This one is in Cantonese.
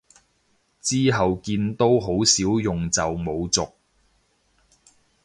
之後見都好少用就冇續